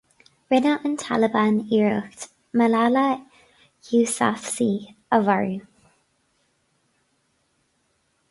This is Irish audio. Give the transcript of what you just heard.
Rinne an Taliban iarracht Malala Yousafzai a mharú